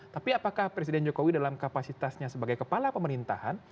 tapi apakah presiden jokowi dalam kapasitasnya sebagai kepala pemerintahan